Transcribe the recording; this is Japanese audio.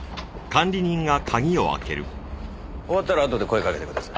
終わったらあとで声かけてください。